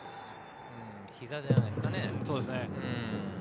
ひざじゃないですかね。